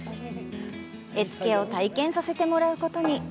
絵つけを体験させてもらうことに。